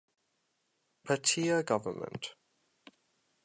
Patiya Govt.